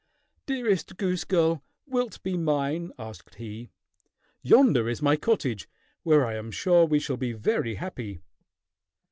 "Dearest Goose Girl, wilt be mine?" asked he. "Yonder is my cottage, where I am sure we shall be very happy."